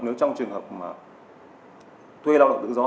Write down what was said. nếu trong trường hợp mà thuê lao động tự do